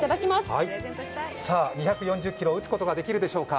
２４０キロ打つことはできるでしょうか。